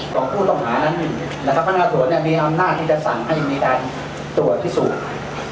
ของผู้ต้องหานั้นพนักส่วนมีอำนาจที่จะสั่งให้มีการตรวจที่สูง